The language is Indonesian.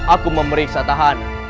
aku memeriksa tahanan